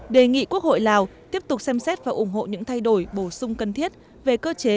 đề nghị quốc hội lào tiếp tục xem xét và ủng hộ những thay đổi bổ sung cần thiết về cơ chế